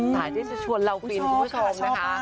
สายที่จะชวนเรากินคุณผู้ชมนะคะ